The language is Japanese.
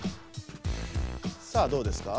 さあどうですか？